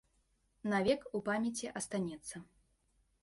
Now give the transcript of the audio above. Навек у памяці астанецца.